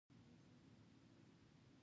د ماشوم د ټوخي لپاره د څه شي اوبه وکاروم؟